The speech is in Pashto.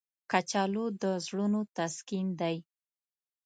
کچالو د زړونو تسکین دی